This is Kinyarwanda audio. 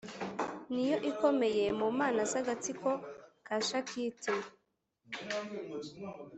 ni yo ikomeye mu mana z’agatsiko ka shakiti.